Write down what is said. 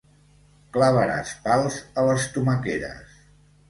Clavaràs pals a les tomaqueres.